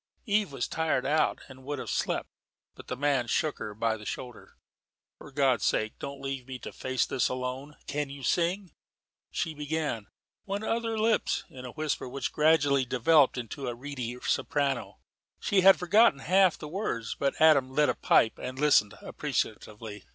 Eve was tired out and would have slept, but the man shook her by the shoulder. "For God's sake don't leave me to face this alone. Can you sing?" She began "When other lips ..." in a whisper which gradually developed into a reedy soprano. She had forgotten half the words, but Adam lit a pipe and listened appreciatively.